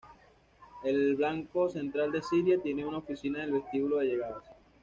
El "Banco Central de Siria" tiene una oficina en el vestíbulo de llegadas.